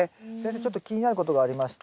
ちょっと気になることがありまして。